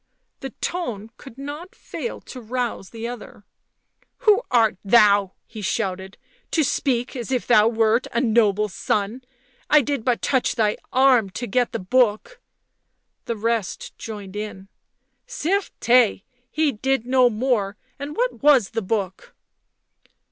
The tone could not fail to rouse the other. " Who art thou," he shouted —" to speak as if thou wert a noble's son 1 I did but touch thy arm to get the book " The rest joined in. " Certes, he did no more, and what irns the book?"